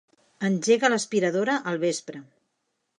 Engega l'aspiradora al vespre.